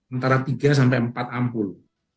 antara tiga sampai empat ampul